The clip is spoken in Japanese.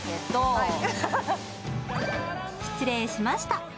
失礼しました。